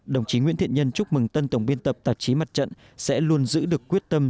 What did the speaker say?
đồng chí nguyễn thiện nhân chúc mừng tân tổng biên tập tạp chí mặt trận sẽ luôn giữ được quyết tâm